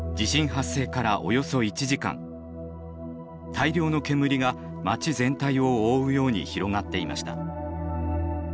大量の煙が街全体を覆うように広がっていました。